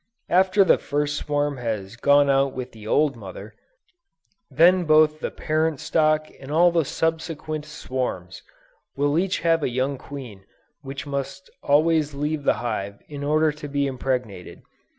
After the first swarm has gone out with the old mother, then both the parent stock and all the subsequent swarms, will have each a young queen which must always leave the hive in order to be impregnated.